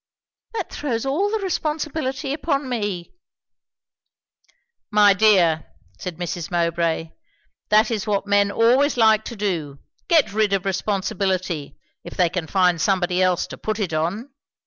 "That throws all the responsibility upon me." "My dear," said Mrs. Mowbray, "that is what men always like to do get rid of responsibility if they can find somebody else to put it on."